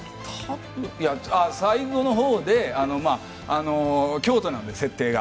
最後のほうで京都なんで、設定が。